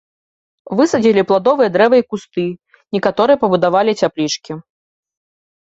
Высадзілі пладовыя дрэвы і кусты, некаторыя пабудавалі цяплічкі.